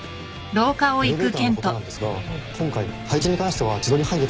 エレベーターのことなんですが今回配置に関しては千鳥配列にしようかと。